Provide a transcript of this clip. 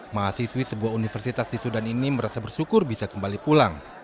mahasiswi sebuah universitas di sudan ini merasa bersyukur bisa kembali pulang